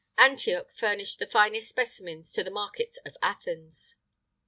[IX 64] Antioch furnished the finest specimens to the markets of Athens.